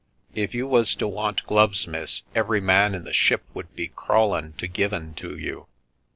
" If you was to want gloves, miss, every man in the ship would be crawlen' to give 'en to you.